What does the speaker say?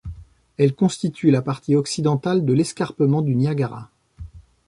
Elle constitue la partie occidentale de l'escarpement du Niagara.